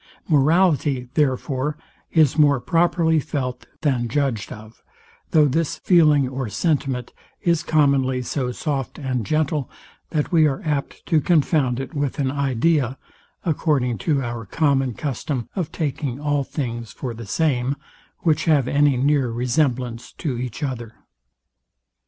Morality, therefore, is more properly felt than judged of; though this feeling or sentiment is commonly so soft and gentle, that we are apt to confound it with an idea, according to our common custom of taking all things for the same, which have any near resemblance to each other.